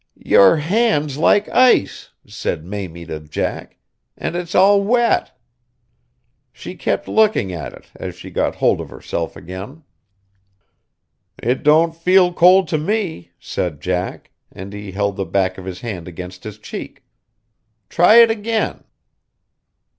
"Your hand's like ice," said Mamie to Jack, "and it's all wet!" She kept looking at it, as she got hold of herself again. "It don't feel cold to me," said Jack, and he held the back of his hand against his cheek. "Try it again."